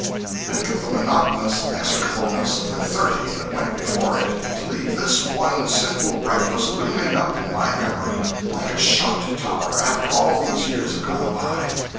Think of the monotonous execrableness of the thirty that went before it, to leave this one simple breakfast looming up in my memory like a shot tower after all these years have gone by!